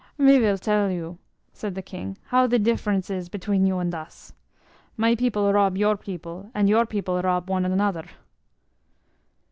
"Me vil tell you," said the king, "how the difference is between you and us. My people rob your people, and your people rob one anoder."